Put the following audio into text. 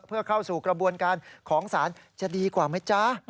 เพื่อเข้าสู่กระบวนการของศาลจะดีกว่าไหมจ๊ะ